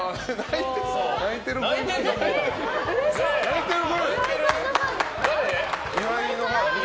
泣いている。